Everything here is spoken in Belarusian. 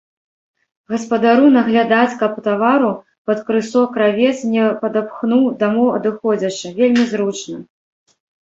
Гаспадару наглядаць, каб тавару пад крысо кравец не падапхнуў, дамоў адыходзячы, вельмі зручна.